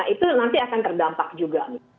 itu nanti akan terdampak juga